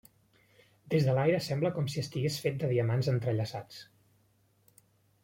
Des de l'aire sembla com si estigués fet de diamants entrellaçats.